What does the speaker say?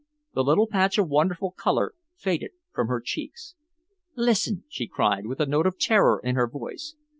The little patch of wonderful colour faded from her cheeks. "Listen!" she cried, with a note of terror in her voice.